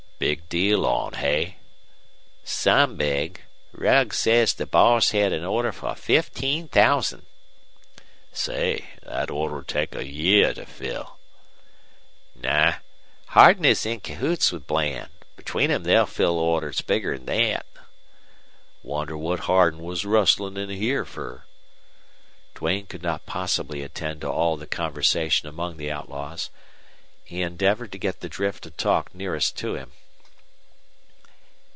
"Big deal on, hey?" "Some big. Rugg says the boss hed an order fer fifteen thousand." "Say, that order'll take a year to fill." "New. Hardin is in cahoots with Bland. Between 'em they'll fill orders bigger 'n thet." "Wondered what Hardin was rustlin' in here fer." Duane could not possibly attend to all the conversation among the outlaws. He endeavored to get the drift of talk nearest to him.